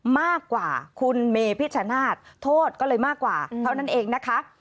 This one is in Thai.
มากกว่าคุณเมพิชชนาธิ์โทษก็เลยมากกว่าเท่านั้นเองนะคะ